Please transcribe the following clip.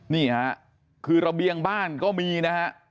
นี่ค่ะคือระเบียงบ้านก็มีนะฮะ